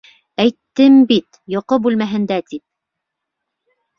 Әйттем бит, йоҡо бүлмәһендә, тип.